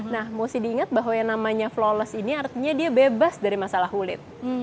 nah mesti diingat bahwa yang namanya flores ini artinya dia bebas dari masalah kulit